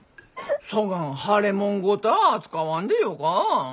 そがん腫れもんごた扱わんでよか。